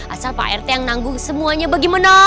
asal pak rt yang nanggung semuanya bagaimana